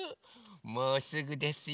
もうすぐですよ。